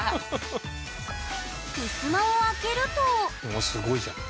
ふすまを開けるとうわすごいじゃん。